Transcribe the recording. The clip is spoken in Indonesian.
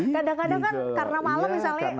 kadang kadang kan karena malam misalnya